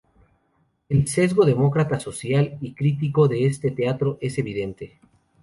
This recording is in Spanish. El sesgo demócrata, social y crítico de este teatro es evidente.